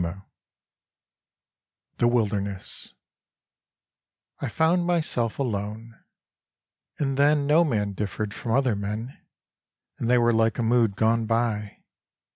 101 THE WILDERNESS I found myself alone ... and then No man differed from other men And they were like a mood gone by.